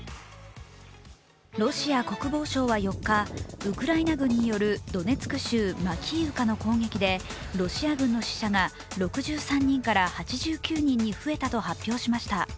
ロシア国防省は４日、ウクライナ軍によるドネツク州マキーウカの攻撃でロシア軍の死者が６３人から８９人に増えたと発表しました。